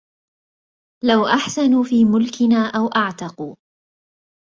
لو أحسنوا في ملكنا أو أعتقوا